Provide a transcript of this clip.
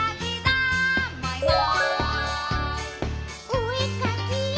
「おえかきよ！